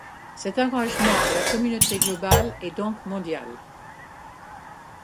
Cet engagement à la communauté globale et donc mondiale.